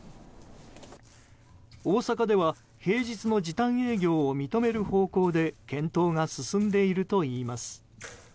大阪では平日の時短営業を認める方向で検討が進んでいるといいます。